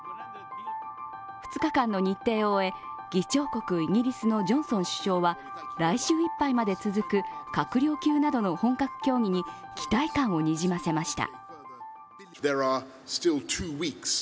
２日間の日程を終え、議長国イギリスのジョンソン首相は、来週いっぱいまで続く閣僚級などの本格協議に期待感をにじませました。